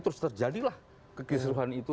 terus terjadilah kekisuhan itu